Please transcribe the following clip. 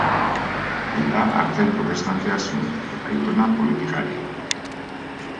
Aita artzain protestantea zuen eta aitona politikaria.